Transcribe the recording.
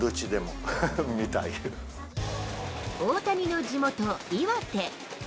大谷の地元、岩手。